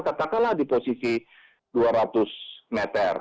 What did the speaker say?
katakanlah di posisi dua ratus meter